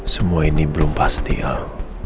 semua ini belum pasti al